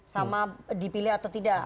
sama dipilih atau tidak